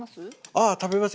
ああ食べますよ。